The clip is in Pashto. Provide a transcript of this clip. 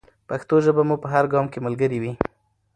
پښتو ژبه مو په هر ګام کې ملګرې وي.